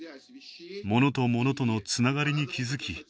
物と物とのつながりに気付き